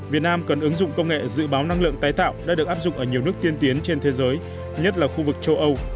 việt nam cần ứng dụng công nghệ dự báo năng lượng tái tạo đã được áp dụng ở nhiều nước tiên tiến trên thế giới nhất là khu vực châu âu